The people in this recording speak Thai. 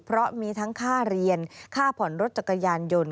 เพราะมีทั้งค่าเรียนค่าผ่อนรถจักรยานยนต์